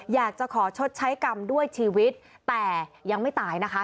อยากจะขอชดใช้กรรมด้วยชีวิตแต่ยังไม่ตายนะคะ